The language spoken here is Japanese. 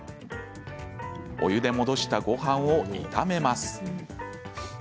お湯で戻したごはんを炒めます。